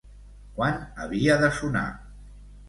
Quan havia de sonar?